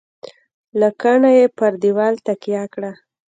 . لکڼه یې پر دېوال تکیه کړه .